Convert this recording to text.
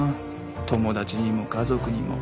友達にも家族にも。